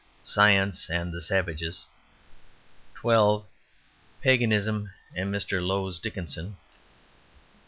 Science and the Savages 12. Paganism and Mr. Lowes Dickinson 13.